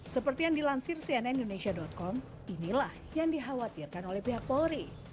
seperti yang dilansir cnn indonesia com inilah yang dikhawatirkan oleh pihak polri